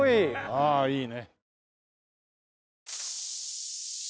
ああいいね。